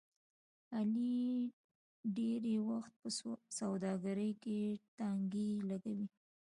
علي ډېری وخت په سودا کې ټانګې لګوي.